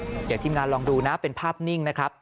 เดี๋ยวทีมงานลองดูนะเป็นภาพนิ่งนะครับ